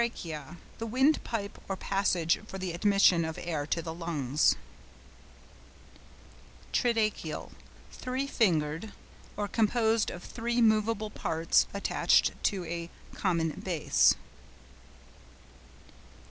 TRACHEA.—The windpipe or passage for the admission of air to the lungs. TRIDACTYLE.—Three fingered, or composed of three movable parts attached to a common base.